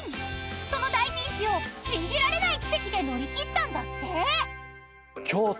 ［その大ピンチを信じられない奇跡で乗り切ったんだって］